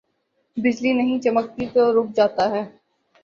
بجلی نہیں چمکتی تو رک جاتا ہے۔